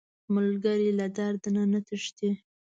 ملګری له درده نه تښتي